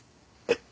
えっ。